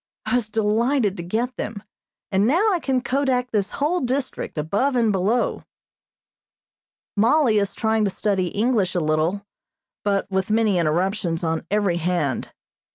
I was delighted to get them, and now I can kodak this whole district, above and below. Mollie is trying to study English a little, but with many interruptions on every hand.